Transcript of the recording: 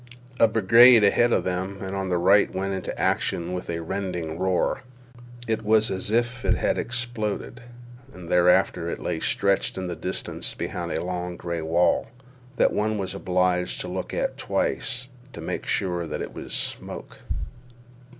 A brigade ahead of them and on the right went into action with a rending roar. It was as if it had exploded. And thereafter it lay stretched in the distance behind a long gray wall, that one was obliged to look twice at to make sure that it was smoke.